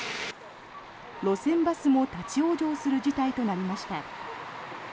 路線バスも立ち往生する事態となりました。